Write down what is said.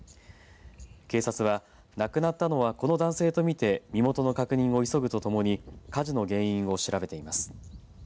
警察は亡くなったのはこの男性と見て身元の確認を急ぐとともに火事の原因を調べています。